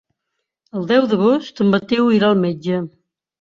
El deu d'agost en Mateu irà al metge.